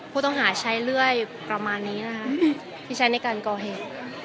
ผู้ต้องหาใช้เลื่อยประมาณนี้นะคะที่ใช้ในการก่อเหตุ